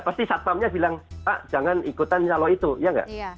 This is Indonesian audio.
pasti satpamnya bilang pak jangan ikutan nyalo itu ya enggak